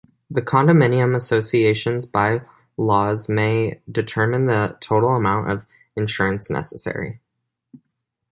The condominium association's by-laws may determine the total amount of insurance necessary.